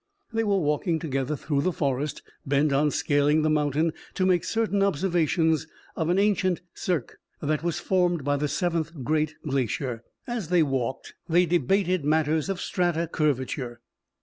They were walking together through the forest, bent on scaling the mountain to make certain observations of an ancient cirque that was formed by the seventh great glacier. As they walked, they debated matters of strata curvature.